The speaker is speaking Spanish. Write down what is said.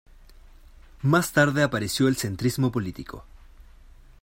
Más tarde apareció el centrismo político.